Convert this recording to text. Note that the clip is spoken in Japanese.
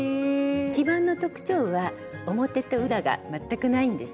一番の特徴は表と裏が全くないんですね。